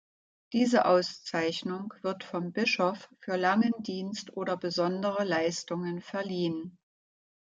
Diese Auszeichnung wird vom Bischof für langen Dienst oder besondere Leistungen verliehen.